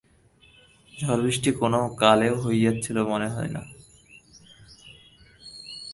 ঝড় বৃষ্টি কোনও কালে হইয়াছিল মনে হয় না।